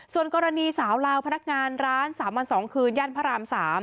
ส่วนกรณีสาวลาวพนักงานร้าน๓วัน๒คืนย่านพระราม๓